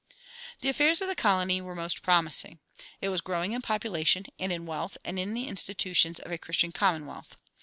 The affairs of the colony were most promising. It was growing in population and in wealth and in the institutions of a Christian commonwealth.